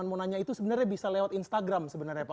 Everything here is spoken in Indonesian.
mau nanya itu sebenarnya bisa lewat instagram sebenarnya pak